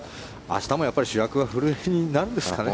明日も主役は古江になるんですかね。